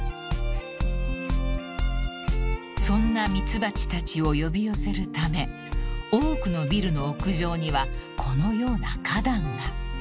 ［そんな蜜蜂たちを呼び寄せるため多くのビルの屋上にはこのような花壇が］